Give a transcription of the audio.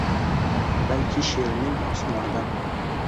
Balki she’rning osmonidan